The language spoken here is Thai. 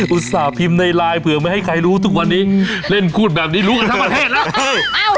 อุตส่าห์พิมพ์ในไลน์เผื่อไม่ให้ใครรู้ทุกวันนี้เล่นพูดแบบนี้รู้กันทั้งประเทศแล้ว